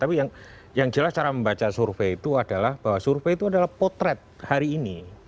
tapi yang jelas cara membaca survei itu adalah bahwa survei itu adalah potret hari ini